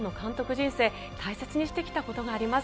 人生大切にしてきたことがあります。